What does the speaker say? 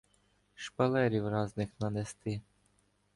Шпалерів разних нанести